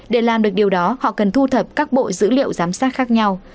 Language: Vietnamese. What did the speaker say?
để làm được điều đó họ cần thu thập các bộ dữ liệu giám sát khác nhau